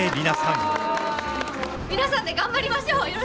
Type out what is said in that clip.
皆さんで頑張りましょう！